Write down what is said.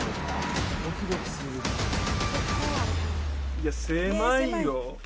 いや狭いよ